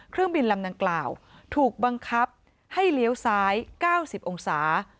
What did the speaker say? เครื่องบินลำดังกล่าวถูกบังคับให้เลี้ยวซ้าย๙๐องศา